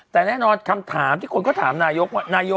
แต่แน่นอนคำถามที่คนก็ถามนายกว่านายก